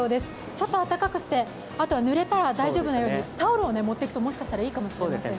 ちょっと暖かくしてあとはぬれたら大丈夫なように、タオルを持っていくともしかしたらいいかもしれませんね。